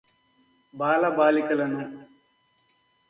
బాల బాలికలను